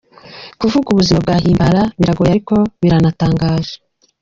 Kuvuga ubuzima bwa Himbara biragoye ariko biranatangaje.